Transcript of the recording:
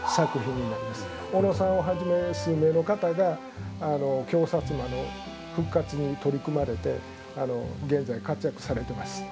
小野さんをはじめ数名の方が京薩摩の復活に取り組まれて現在活躍されてます。